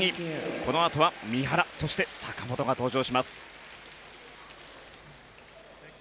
このあとは三原、そして坂本が登場します。